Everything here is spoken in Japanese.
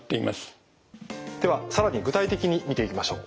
では更に具体的に見ていきましょう。